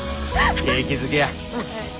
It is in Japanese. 景気づけや。